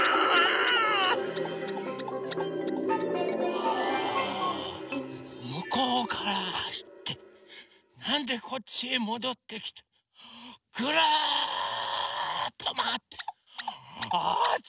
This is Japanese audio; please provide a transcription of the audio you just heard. ああむこうからはしってなんでこっちへもどってきてぐるっとまわってあつい！